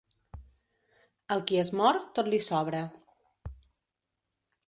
Al qui es mor, tot li sobra.